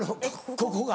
ここが？